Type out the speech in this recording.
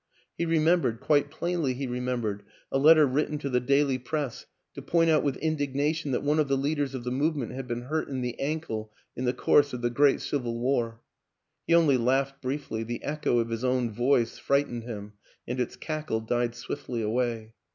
He remembered quite plainly he remembered a letter written to the daily Press to point out with indignation that one of the Leaders of the Movement had been hurt in the ankle in the course of the Great Civil War. ... He only laughed briefly; the echo of his own voice frightened him r and its cackle died swiftly away.